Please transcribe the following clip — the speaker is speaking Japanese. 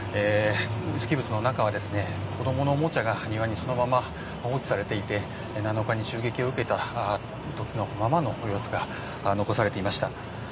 キブツの中では子供のおもちゃが庭にそのまま放置されていて７日に襲撃を受けたままの様子が残されていました。